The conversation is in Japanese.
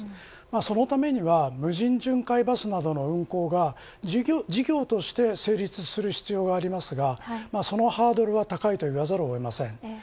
そのためには無人巡回バスなどの運行が事業として成立する必要がありますがそのハードルは高いと言わざるを得ません。